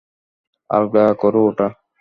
আলগা করো ওটা।